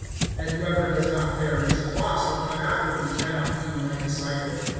(27)And whoever does not bear his cross, and come after me, can not be my disciple.